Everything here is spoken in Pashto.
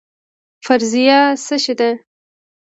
فرضیه څه شی دی؟